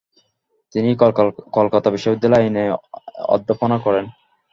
তিনি কলকাতা বিশ্ববিদ্যালয়ে আইনে অধ্যাপনা করেন।